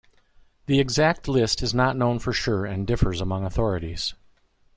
The exact list is not known for sure and differs among authorities.